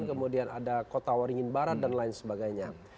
kemudian ada kota waringin barat dan lain sebagainya